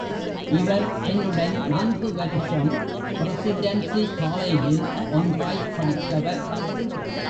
இவர் என்னுடன் நான்கு வருஷம் பிரசிடென்சி காலேஜில் ஒன்றாய்ப் படித்தவர்.